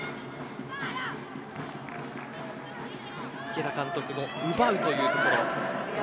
池田監督も奪うというところ。